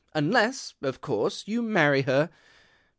Unless, of course, you marry her.